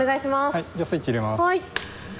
はいじゃあスイッチ入れます。